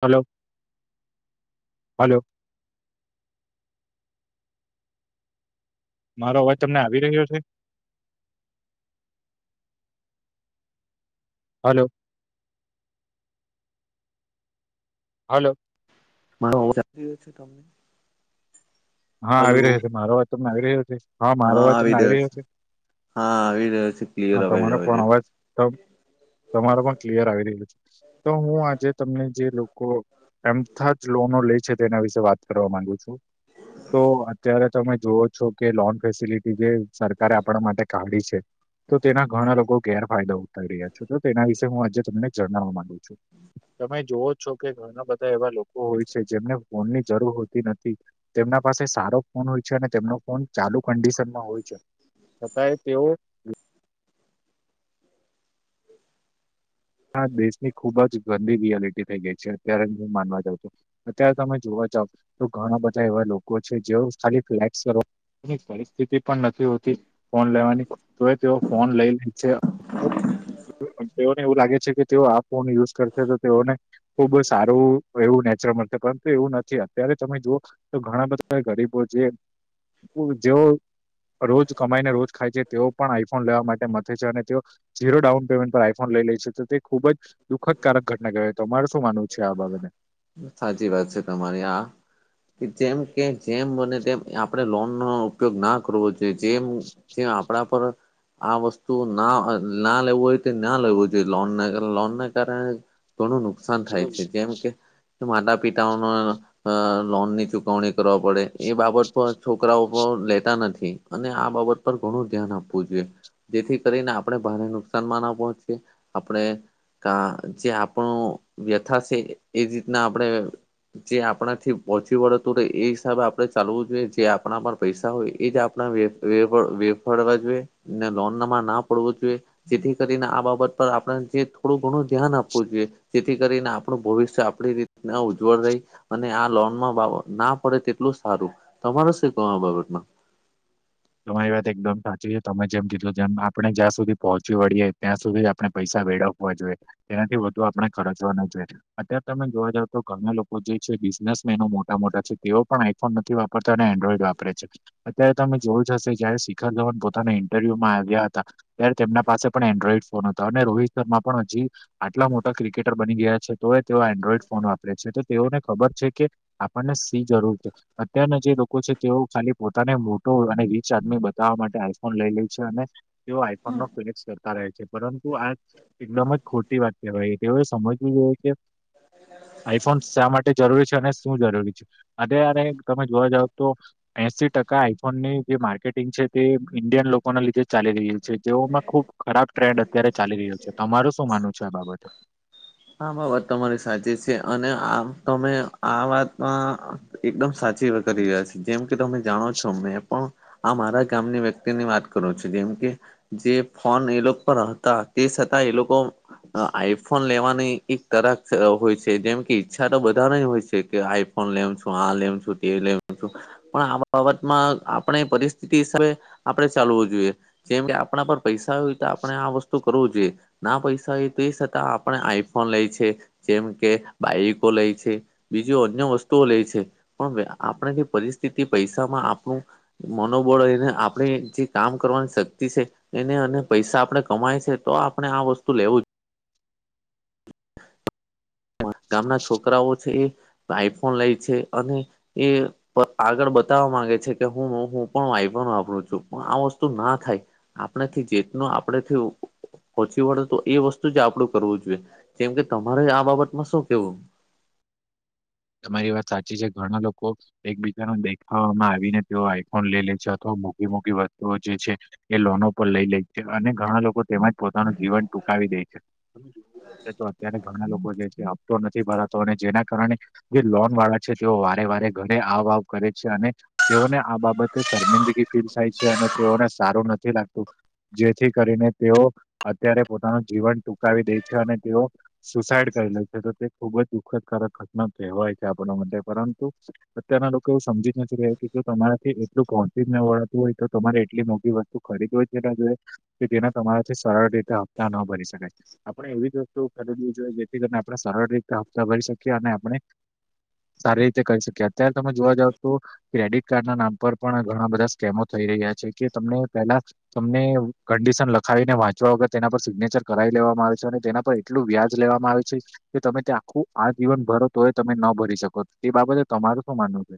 Hello hello. મારો અવાજ તમને આવી રહ્યો છે? હલો. હાલો. મારો અવાજ રહયો છે તમને‌? હા આવી રહ્યો છે. મારો વાત તને આવી રહ્યો છે? હા મારો વાતને આવી રહ્યો છે? હા આવી રહ્યો છે હ ક્લિયર અવાજ તમારો આવી પણ રહ્યો અવાજ તમારા પણ ક્લિયર આવી રહલું છે. તો હું આજે તમને જે લોકો એમથા જ લોનો લે છે તેના વિશે વાત કરવા માંગુ છું. તો અત્યારે તમે જોવ છો કે લોન ફેસિલિટી જે સરકારે આપણા માટે કાઢી છે. તો તેના ઘણા લોકો ગેરફાયદા ઉઠાઈ રહ્યા છે. તો તેના વિશેે હું આજે તમને જણાવવા માંગુ છું. તમે જોવો છો કે ઘણા બધા એવા લોકો હોય છે. જેમને ફોનની જરૂર હોતી નથી. તેમના પાસે સારો ફોન હોય છે અને તેમનો ફોન ચાલુ કન્ડિશનમાં હોય છે. છતાંય તેઓ હા દેશની ખુબ જ ગંદી રિયાલિટી થઈ ગઈ છે. અત્યારે હું માનવા જાઉં છું. અત્યારે તમે જોવા જાવ તો ઘણા બધા એવા લોકો છે જે ખાલી ફ્લેક્સ કરવા એની પરિસ્થિતિ પણ નથી હોતી ફોન લેવાની તો એ તેઓ ફોન લઈ લે છે. તેઓને એવું લાગે છે કે તેઓ આ ફોન યુઝ કરશે તો તેઓને ખુબ સારું એવું નેચરલ મળતે પરંતુ એવું નથી. અત્યારે તમે જુઓ તો ઘણા બધા ગરીબો જે જેવો રોજ કમાઈને રોજ ખાય છે. તેઓ પણ આઈફોન લેવા માટે મથે છે અને તેઓ જીરો ડાઉન પેમેન્ટ પર આઈફોન લઈ લઈ છે તો તે ખુબ જ દુઃખદકારક ઘટના કહેવાય. તમારે શું માનવું છે આ બાબતેને? સાચી વાત છે તમારી આ. કે જેમ કે જેમ બને તેમ આપણે લોનનો ઉપયોગ ના કરવો જોઈએ. જેમ જેમ આપણા પર આ વસ્તુ ના ના લેવું હોય તો ના લેવું જોઈએ. લોન લોનને કારણે ઘણું નુકસાન થાય હમ છે. જેમ કે માતા પિતાઓનો અ લોનની ચુકવણી કરવી પડે એ બાબત પણ છોકરાઓ પણ લેતા નથી. અને આ બાબત પર ઘણું ધ્યાન આપવું જોઈએ. જેથી કરીને આપણે ભારે નુકસાનમાં ના પહોંચીએ. આપણે જે આપણો વ્યથા છે એ રીતના આપણે જે આપણાથી પહોંચી વળતું રહે એ હિસાબે આપે ચાલવું જોઈએ. જે આપણા પર પૈસા હોય એ જ આપણા વેફાડવા જોઈએ ને લોનમાં ના પડવું જોઈએ. જેથી ને આ બાબત પર આપણે જે થોડું ઘણું ધ્યાન આપવું જોઈએ જેથી કરીને આપણું ભવિષ્ય આપ રીતના ઉજ્જવળ રહી અને આ લોનમાં ના પડે તેટલું સારું. તમારો શું કવ આ બાગતમાં? તમારી વાત એકદમ સાચી છે તમે જેમ કિધું તેમ આપણે જ્યાં સુધી પહોંચી વળીએ ત્યાં સુધી આપણે પૈસા વેળ જોઈએ તેનાથી વધુ આપણે ખર્ચવા ના જોઈએ. અત્યારે તમે જોવા જાવ તો ગમે લોકો જે છે. બિઝનેસમેનો મોટા મોટા છે તેઓ પણ આઈફોન નથી વાપરતો અને એન્ડ્રોઈડ વાપરે છે અત્યારે તમે જોયું જ થશે જયારે શિખર ધવન પોતાના ઇન્ટરવ્યુમાં આવ્યા હતા. ત્યારે તેમના પાસે પણ એન્ડ્રોઈડ ફોન હતો અને રોહિત શર્મા પણ હજી આટલા મોટા ક્રિકેટર બની ગયા છે. તોએ તેઓ એન્ડ્રોઈડ ફોન વાપરે છે તો તેઓને ખબર છે કે આપણને સેની જરૂર છે, અત્યારના જે લોકો છે તેઓ ખાલી પોતાને અને વીચ આદમી બતાવવા માટે આઈફોન લઈ લે છે અને તેઓ આઈ ફોન નો ફિલસ કરતા રહે છે, પરંતુ આ એકદમ જ ખોટી વાત કહેવાય. તેઓ સમજવી જોઈએ કે આઈફોન શા માટે જરૂરી છે અને શું જરૂરી છે અને અરે તમે જોવા જાવ તો એસી ટકા આ ફોનની જે માર્કેટિંગ છે તે ઇન્ડિયન લોકોના લીધે ચાલી રહી છે જેઓમાં ખૂબ ખરાબ ટ્રેડ અત્યારે ચાલી રહ્યો છે, તમારું શું માનવું છે આ બાબતે? હા, બાબત તમારી સાચી છે અને આમ તમે આ વાતમાં એકદમ સાચી વાત કરી રહ્યા છે. જેમ કે તમે જાણો છો મેં પણ આ મારા ગામની વ્યક્તિની વાત કરો છો જેમ કે જે ફોન એ લોકો પર હતા. તે છતાં એ લોકો આઈફોન લેવાન [inaudible] જેમ કે ઈચ્છા તો બધા હોય છે કે આઈ ફોન લેઉ છું. આ લેઉ છું. એ લેમ તો પણ આ બાબતમાં આપણે પરિસ્થિતિ હિસાબે આપણે ચાલવું જોઈએ જેમ કે આપણા પર પૈસા હોય તો આપણે આ વસ્તુ કરવું જોઈએ ના પૈસા હોય તો છતાં આપણે આઈ ફોન લે છે, જેમ કે બાઈકો લે છે બીજું અન્ય વસ્તુઓ લે છે. પણ આપણે જે પરિસ્થિતિ પૈસામાં આપણું મનોબળ રહીને આપણે જે કામ કરવાની શક્તિ છે. એને અને પૈસા આપડે કમાય છે તો આપણે આ વસ્તુ લેવું જ ગામના છોકરાઓ છે એ આઈ ફોન લે છે અને એ આગળ બતાવવા માંગે છે કે હું પણ આઈ ફોન વાપરું છું, પણ આ વસ્તુ ના થાય. આપણાથી જેતનું આપણેથી પહોંચી વડે તો એ વસ્તુ જ આપડું કરવું જોઈએ, જેમ કે તમારે આ બાબતમાં શું કેવું? તમારી વાત સાચી છે, ઘણા લોકો એક-બીજાને દેખાવામાં આવીને તેઓ આઈ ફોન લઈ લે છે અથવા મોઘી-મોઘી વસ્તુઓ જે છે. એ લોનો પર લઈ લે છે અને ઘણા લોકો તેમજ પોતાનું જીવન ટૂંકાવી દે છે. [inaudible] તો અત્યારે ઘણા લોકો જે છે હપતો નથી ભરાતો અને જેના કારણે જે લોન વાળા છે તેઓ વારે-વારે ઘરે આવ-આવ કરે છે અને તેઓને આ બાબતે શર્મિંદગી ફીલ થાય છે અને તેઓને સારું નથી લાગતું. જેથી કરીને તેઓ અત્યારે પોતાનું જીવન ટૂંકાવી દે છે અને તેઓ સુસાઈડ કરી લે છે તો તે ખુબ જ દુઃખ કારક ઘટના કેવાય છે, આપણા માટે પરંતુ અત્યારના લોકો એવું સમજી નથી રહ્યા કે જો તમારાથી એટલુ [inaudible] તો ખરીદવુ જ‌ ના જોઈએ કે જેના તમારાથી સરળ રીતે હપ્તા ન ભરી શકાય. આપણે એવી જ વસ્તુ ખરીદવી જોઈએ, જેથી કરીને આપણે સરળ રીતે હપ્તા ભરી શકીએ અને આપણે સારી રીતે કરી શકીએ. અત્યારે તમે જોવા જાવ તો ક્રેડિટ કાર્ડના નામ પર પણ ઘણા બધા સ્કેમો થઈ રહ્યા છે કે તમને પેલા તમને કંડિશન લખાવીને વાંચવા વગર તેના પર સિગ્નેચર કરાવી લેવામાં આવે છે અને તેના પર એટલું વ્યાજ લેવામાં આવે છે કે તમે તે આખું આ જીવન ભરો. તો એ તમે ન ભરી શકો એ બાબતે તમારું શું માનવું છે?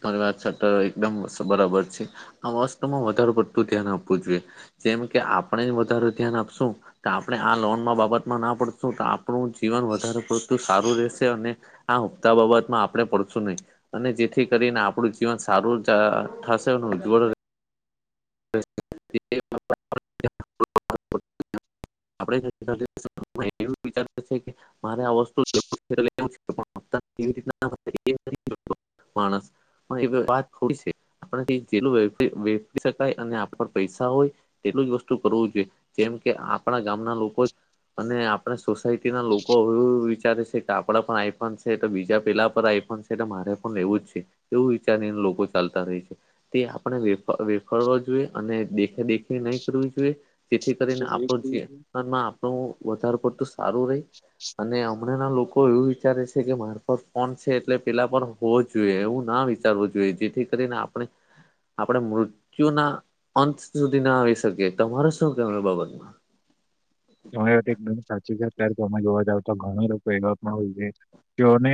સાચી વાત એકદમ બરાબર છે આ વસ્તુમાં વધારે પડતું ધ્યાન આપવું જોઈએ. જેમ કે આપણે વધારે ધ્યાન આપશું તો આપણે આ લોનમાં બાબતમાં ના પડશું તો આપણું જીવન વધારે પડતું સારું રહેશે અને હા, હપ્તા બાબતમાં આપણે પડશું નહી અને જે જેથી કરીને આપણું જીવન સારું થશે ઉજ્જવળ [inaudible] આપણે એ વિચાર [inaudible] મારે આ વસ્તુ લેેવી [inaudible] [inaudible] માણસ પણ એ વાત ખોટ છે [unintelligible] પર આપને પૈસા હોય તેટલું જ વસ્તુ કરવું જોઈએ જેમ કે આપણા ગામના લોકોએ અને આપણે સોસાયટી ના લોકો એવું વિચારે છે કે આપડા પણ આઈફોન છે તો બીજા પેલા પર આઈફોન છે. અરે મારે પણ એવું જ છે એવું વિચારીને લોકો ચાલતા રહે છે તે આપણે કરવો જોઈએ અને દેખા દેખી નહી કરવી જોઈએ જેથી કરીને આપણા જીવનમાં તો વધાર પડતુ સારું રહી અને આમ ઘણા લોકો એવું વિચારે છે કે મારફત ફોન છે એટલે પેલા પર હોવો જોઈએ એવું ના વિચારવું જોઈએ જેથી કરીને આપણે આપણે મૃત મુત્યુના અંત સુધી ના આવી શકે તમારે શું કે બાબતમાં? [unintelligible] તો એકદમ સાચી છે અત્યારે તમે જોવા જાવ તો ઘણા લોકો એવા પણ હોય છે. તેઓને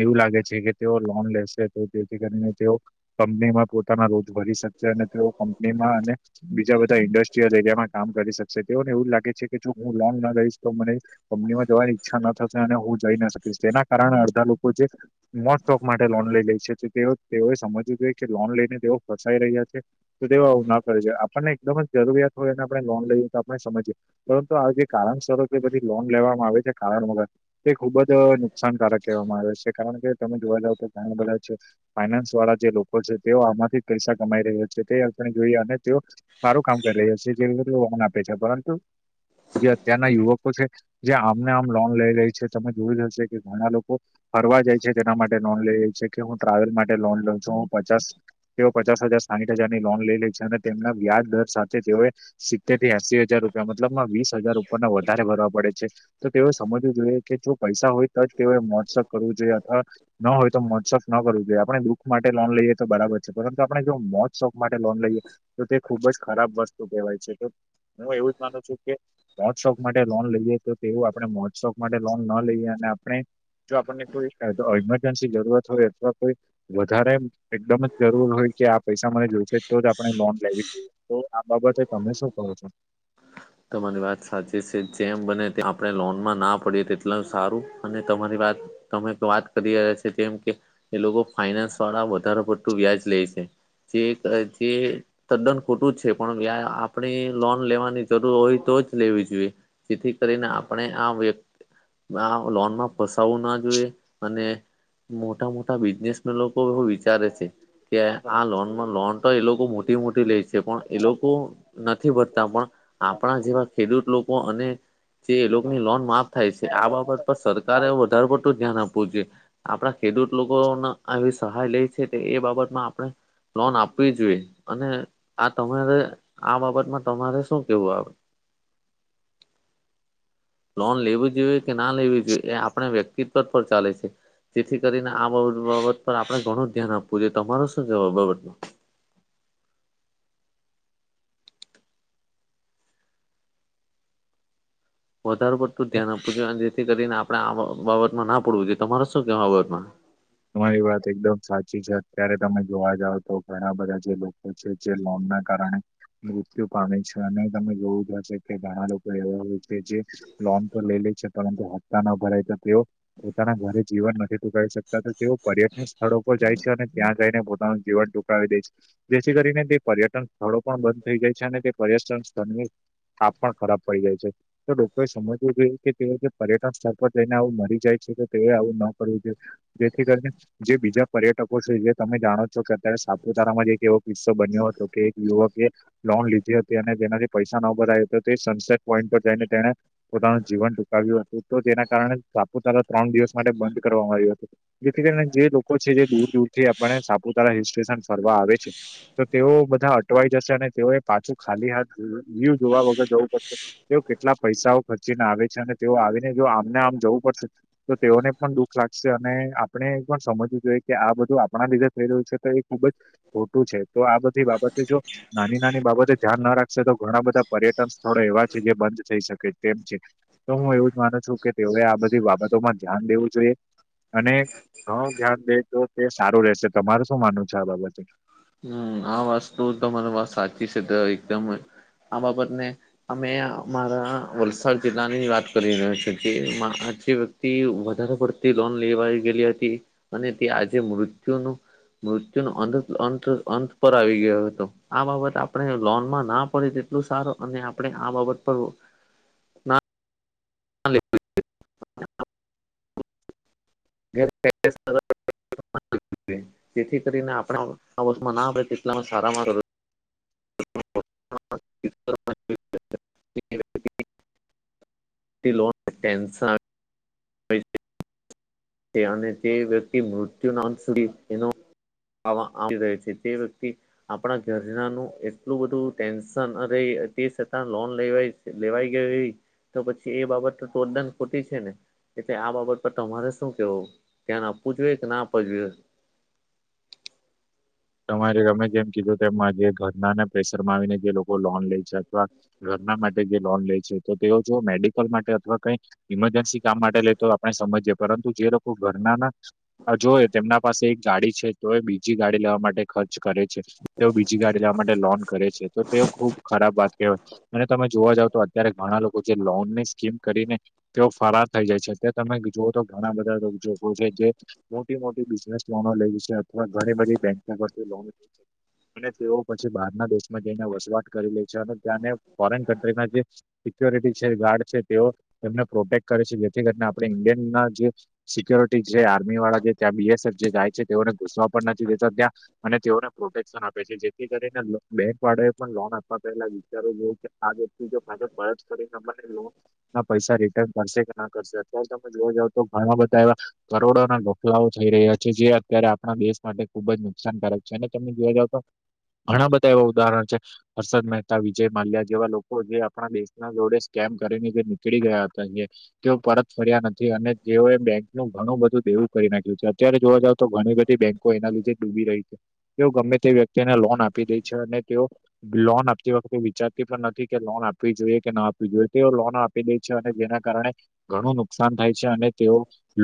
એવું લાગે છે કે તેઓ લોન લેશે તો તેથી કરીને તેઓ કંપનીમાં પોતાના રોજ ભરી શકશે અને તેઓ કંપનીમાં અને બીજા બધા ઇન્ડસ્ટ્રીયલ એરિયામાં કામ કરી શકશે તેઓને એવું જ લાગે છે કે જો હું લોન ના લઈશ તો મને કંપનીમાં જવાની ઈચ્છા ન થશે અને હું જઈ ના શકીશ તેના કારણે અડધા લોકો જે કોણ સ્ટોક માટે લોન લઈ લે છે તે તેઓએ સમજવું જોઈએ કે લોન લઈને તેઓ ફસાઈ રહ્યા છે. તો તેવા આવું ના કરવુ જોઈએ આપણને એકદમ જરૂરિયાત હોય અને આપણે લોન લઈએ. આપણે સમજીએ પરંતુ આ રીતે જે કારણસરો કે બધી લોન લેવામાં આવે છે. કારણ વગર તે ખુબ જ નુકસાનકારક કહેવામાં આવે છે કારણ કે તમે જોવા જાવ તો ઘણા બધા છે. ફાઈનાન્સ વાળા જે લોકો છે તેઓ આમાંથી પૈસા કમાઈ રહ્યા છે તે આપણે જોઈએ અને તેઓ સારું કામ કરી રહ્યા છે જે કેટલી બધી લોન આપે છે પરંતુ જે અત્યારના યુવકો છે. જે આમને આમ લોન લઈ રહી છે તમે જોયું હશે કે ઘણા લોકો ફરવા જાય છે તેના માટે લોન લઈએે છે કે હું ટ્રાવેલ માટે લોન લઉ છું હું પચાસ તેઓ પચાસ હજાર સાહીઠ હજારની લોન લઈ લે છે અને તેમના વ્યાજ દર સાથે તેઓએ સિતેર એસી હજાર રૂપિયા મતલબમાં વીસ હજાર ઉપરના વધારે ભરવા પડે છે. તો તેઓએ સમજવું જોઈએ કે જો પૈસા હોય તો જ તેઓએ મોજ શોખ કરવું જોઈએ અથવા ન હોય તો મોજ શોખ ન કરવું જોઈએ આપણે દુઃખ માટે લોન લઈએ તો બરાબર છે પરંતુ આપણે જો મોજ શોખ માટે લોન લઈએ તો તે ખુબ જ ખરાબ વસ્તુ કહેવાય છે તો હું એવું જ માનું છુ કે મોજ શોખ માટે લોન લઈએ તો તેવું આપણે મોજ શોખ માટે લોન ન લઈએ અને આપણે જો આપણને કોઈ ઇમરજન્સી જરૂરત હોય અથવા કોઈ વધારે એકદમ જ જરૂર હોય કે આ પૈસા મને જોઈશે તો જ આપણે લોન લેવી જોઈએ. તો આ બાબતે તમે શું કહો છો? તમારી વાત સાચી છે જેમ બને આપણે લોનમાં ના પડીએ તેટલુ સારું અને તમારી વાત તમે વાત કરી રહ્યા છો જેમ કે એ લોકો ફાઈનાન્સ વાળા વધારે પડતું વ્યાજ લે છે. એ દ્રષ્ટિ એ તદ્દન ખોટું જ છે પણ આપણે લોન લેવાની જરૂર હોય તો જ લેવી જોઈએ જેથી કરીને આપણે આ વ્યક્તિ આમ લોનમાં ફસાવવું ના જોઈએ અને મોટા મોટા બિઝનેસ લોકો એવુ વિચારે છે કે આ લોનમાં લોન તો એ લોકો મોટી મોટી લે છે પણ એ લોકો નથી ભરતા પણ આપણા જેવા ખેડૂત લોકો અને એ લોકોની લોન માફ થાય છે આ બાબત પર સરકારે વધારે પડતું ધ્યાન આપવું જોઈએ. આપણા ખેડૂત લોકોને આવી સહાય લે છે એ બાબતમાં આપણે લોન આપવી જોઈએ અને આ તમારે આ બાબતમાં તમારે શું કેવું આવે. લોન લેવી જોઈએ કે ના લેવી જોઈએ એ આપણે વ્યક્તિત્વ પર ચાલે છે. જેથી કરીને આ બાબત પર આપણે ઘણું ધ્યાન આપવું જોઈએ. તમારો શું કેવુ આ બાબતમાં? વધારે પડતું જ ધ્યાન આપવું જોઈએ અને જેથી કરીને આપણે આ બાબતમાં ના પડવું જોઈએ. તમારે શું કેવુ આ બાબતમાં. તમારી વાત એકદમ સાચી છે અત્યારે તમે જોવા જાવ તો ઘણા બધા જે લોકો છે જે લોન ના કારણે મૃત્યુ પામે છે અને તમે જોવું જશે કે ઘણા લોકો એવા હોય જેે લોન તો લઈ લે છે. પરંતુ હપ્તા ન ભરાય તો તેઓ પોતાના ઘરે જીવન નથી ટુંકાવી શકતા તથા તેઓ પર્યટન સ્થળો પર જાય છે અને ત્યાં જઈને પોતાનું જીવન ટુંકાવી દે છે. જેથી કરીને તે પર્યટન સ્થળો પણ બંધ થઈ જાય છે અને તે પર્યટન સ્થળની છાપ પણ ખરાબ પડી જાય છે. તો દરેકે સમજવું જોઈએ કે તેઓ પર્યટન સ્થળ પર જઈને આવું મરી જાય છે તો તેએ આવું ન કરવું જોઈએ. જેથી કરીને જે બીજા પર્યટકો છે જે તમે જાણો છો કે અત્યારે સાપુતારામાં એક એવો કિસ્સો બન્યો હતો કે એક યુવકે લોન લીધી હતી અને જેનાથી પૈસા ન ભરાયા તે સનસેટ પોઈન્ટ પર જઈને તેને પોતાનું જીવન ટૂકાવ્યું હતું તો તેના કારણે સાપુતારા ત્રણ દિવસ માટે બંધ કરવામાં આવ્યું હતું. જેથી કરીને જે લોકો છે જે દૂર દૂર થી આપણે સાપુતારા હિલ સ્ટેશન ફરવા આવે છે. તો તેઓ બધા અટવાઈ જશે અને તેઓએ પાછું ખાલી હાથ વ્યુ જોયા વગર જવું પડશે. તેઓ કેટલા પૈસાઓ ખર્ચીને આવે છે અને તેઓ આવીને જો આમને આમ જવું પડશે. તો તેઓને પણ દુઃખ લાગશે અને આપણે એ પણ સમજવું જોઈએ કે આ બધું આપણા લીધે થઈ રહ્યું છે તો એ ખુબ જ ખોટું છે તો આ બધી બાબતે જો નાની નાની બાબતે ધ્યાન ના રાખશે તો ઘણા બધા પર્યટન સ્થળો એવા છે જે બંધ થઈ શકે તેમ છે. તો હું એવું જ માનું છું કે તેઓએ આ બધી બાબતોમાં ધ્યાન દેવું જોઈએ. અને ઘણુ ધ્યાન દે તો તે સારું રહેશે તમાર શું માનવુ છે? આ બાબતે. હ આ વાસ્તુ તમારી વાત સાચી છે તો એકદમ આ બાબત ને અમે અમારા વલસાડ જિલ્લાની વાત કરી રહ્યા છુ જે માં [unintelligible] તે વધારે પડતી લોન લેવાઈ ગયેલી હતી અને તે આજે મૃત્યુનું મૃત્યુનું અંત અંત અંત પર આવી ગયો હતો આ બાબત આપણે લોનમાં ના પડી તેટલું સારું અને આપણે આ બાબત પર [unintelligible] [inaudible] જેથી કરીને આપણે આ વસ્તુમા ના પડે તેટલુ સારામાં [unintelligible] [inaudible] તે લોન ટેન્શન અને તે વ્યક્તિ મૃત્યુના અંત સુધી તેનો આવા આવી રહે છે તે વ્યક્તિ આપણા ઘરનાનું એટલું બધું ટેન્શન રયે અને તે છતાં લોન લે વે. લેવાઈ ગય એ તો પછી એ બાબત તદ્દન ખોટી છે ને. એટલે આ બાબત પર તમારે શું કેવું? ધ્યાન આપવુ જોઈએ કે ના આપવુ જોઈએ. તમારે અમે જેમ કીધું જે ઘરનાને પ્રેશર માં આવીને જે લોકો લોન લે છે અથવા ઘરના માટે જે લોન લે છે તો તેઓ જો મેડિકલ માટે અથવા કંઈ ઇમરજન્સી કામ માટે લે તો આપણે સમજીએ પરંતુ જે લોકો ઘરના ના જોય તેમના પાસે એક ગાડી છે તો એ બીજી ગાડી લેવા માટ તે ખર્ચ કરે છે તેઓ બીજી ગાડી જવા માટે લોન કરે છે તો તેઓ ખુબ ખરાબ વાત કહેવાય. અને તમે જોવા જાવ તો અત્યારે ઘણા લોકો જે લોનની સ્કીમ કરીને તેઓ ફરાર થઈ જાય છે તે તમે જુઓ તો ઘણા બધા લોકો છે જે મોટી મોટી બિઝનેસ લોનો લેવી છે અથવા ઘણી બધી બેંકા પર થી લોન અને તેઓ પછી બહારના દેશમાં જઈને વસવાટ કરી લે છે અને ત્યાંને ફોરેન કન્ટ્રીમાં જે સિક્યોરિટી છે ગાર્ડ છે તેઓ એમને પ્રોટેક્ટ કરે છે જેથી કરીને આપણે ઇન્ડિયનના જે સિક્યોરિટી જે આર્મી વાળા જે ત્યાં બી એસ એફ જે જાય છે તેઓને ઘુસવા પણ નથી દેતા ત્યાં અને તેઓને પ્રોટેક્શન આપે છે જેથી કરીને બેંક વાળા એ પણ લોન આપવા પહેલા વિચારવું જોઈએ કે આ બીજો પાછો પરત કરી [unintelligible] ના પૈસા રિટર્ન કરશે કે ના કરશે અતવા તો તમે જો જાવ તો ઘણા બધા એવા કરોડોના ગફલાઓ થઈ રહ્યા છે જે અત્યારે આપણા દેશ માટે ખુબ જ નુકસાનકારક છે અને તમે જોવા જાવ તો ઘણા બધા એવા ઉદાહરણ છે. હર્ષદ મહેતા વિજય માલ્યા જેવા લોકો જે આપણા દેશના જોડે સ્કેમ કરીને જે નીકળી ગયા હતા જે તેઓ પરત ફર્યા નથી અને જેઓએ બેંક નું ઘણું બધું દેવું કરી નાખ્યું છે. અત્યારે જોવા જાવ તો ઘણી બધી બેંકો એના લીધે જ ડૂબી રહી છે. તેઓ ગમે તે વ્યક્તિને લોન આપી દે છે અને તેઓ લોન આપતી વખતે વિચારતી પણ નથી કે લોન આપવી જોઈએ કે ના આપવી જોઈએ તે લોન આપ આપી દે છે અને જેના કારણે ઘણું નુકસાન થાય છે અને તેઓ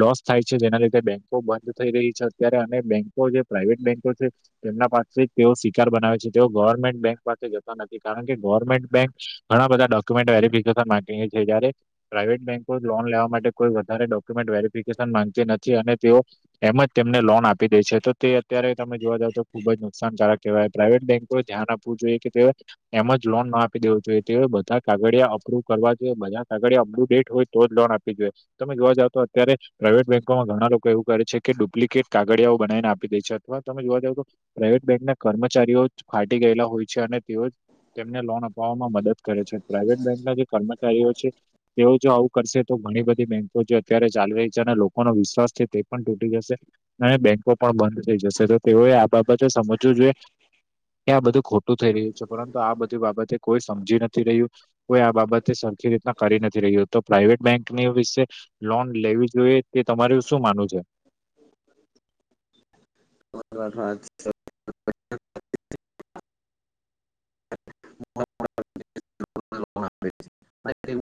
લોસ થાય છે જેના લીધે બેન્કો બંધ થઈ રહી છે અત્યારે અને બેંકો જે પ્રાઇવેટ બેન્કો છે. તેમના પાસે તેઓ શિકાર બનાવે છે તેઓ ગવર્મેન્ટ બેંક પાસે જતા નથી કારણ કે ગવર્મેન્ટ બેંક ઘણા બધા ડોક્યુમેન્ટ વેરફિકેશન માંગે છે જ્યારે પ્રાઇવેટ બેન્કો લોન લેવા માટે કોઈ વધારે ડોક્યુમેન્ટ વેરીિફિકેશન માંગતી નથી અને તેઓ એમ જ તેમને લોન આપી દેય છે તો તે અત્યારે તમે જોવા જાવ તો ખુબ જ નુકસાનકારક કહેવાય પ્રાઇવેટ બેંકો ધ્યાન આપવું જોઈએ કે તે એમજ લોન ના આપી દેવો જોઈએ તે બધા કાગળિયા અપ્રુવ કરવા જોઈએ બધા કાગળિયા અપેટ હોય તો જ લોન આપવી જોઈએ તમે જોવા જાવ તો અત્યારે પ્રાાઈવેટ બેન્કોમાં ઘણા લોકો એવું કરે છે કે ડુપ્લિકેટ કાગળિયાઓ બનાવીને આપી દેય છે એ તમે જોવા જાવ તો પ્રાઇવેટ બેંક ના કર્મચારીઓ જ ફાટી ગયેલા હોય છે અને તેઓ જ તેમને લોન અપવામાં મદદ કરે છે પ્રાાઈવેટ બેંકના જે કર્મચારીઓ છે તેઓ જો આવું કરશે તો ઘણી બધી બેન્કો અત્યારે ચાલી રહી છે અને લોકોનો વિશ્વાસ છે તે પણ તૂટી જશે અને બેંકો પણ બંધ થઈ જશે તો તેઓએ આ બાબતે સમજવું જોઈએ ત્યાં બધું ખોટું થઈ રહ્યું છે પરંતુ આ બધી બાબતે કોઈ સમજી નથી રહ્યું કોઈ આ બાબતે સરખી રીતના કરી નથી રહ્યું તો પ્રાાઈવેટ બેંકની વિશે લોન લેવી જોઈએ તે તમારુ શું માનવું છે બ વાત વાત [inaudible]